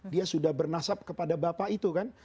dia sudah bernasab kepada bapak itu kan